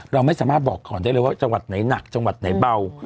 เราไม่สามารถบอกก่อนได้เลยว่าจังหวัดไหนหนักจังหวัดไหนเบา